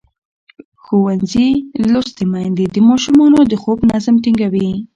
ښوونځې لوستې میندې د ماشومانو د خوب نظم ټینګوي.